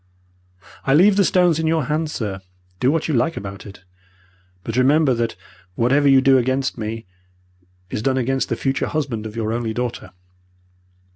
I leave the stones in your hands, sir. Do what you like about it. But remember that whatever you do against me, is done against the future husband of your only daughter.